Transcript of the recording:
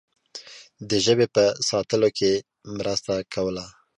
د ژبې په ساتلو کې مرسته کوله.